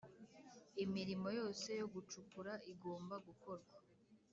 Imirimo yose yo gucukura igomba gukorwa